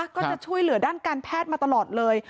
ก็จะช่วยเหลือด้านการแพทย์มาตลอดเลย